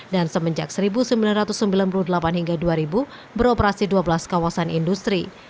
dan semenjak seribu sembilan ratus sembilan puluh delapan hingga dua ribu beroperasi dua belas kawasan industri